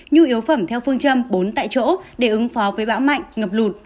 nhu yếu phẩm theo phương châm bốn tại chỗ để ứng phó với bão mạnh ngập lụt